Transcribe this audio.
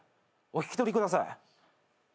お引き取りください。